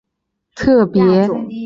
特别出演友情出演友情客串